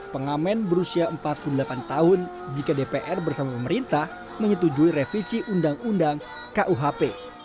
pengamen berusia empat puluh delapan tahun jika dpr bersama pemerintah menyetujui revisi undang undang kuhp